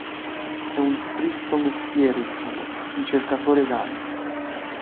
E un tristo mestiere il suo: di cercatore d'anime.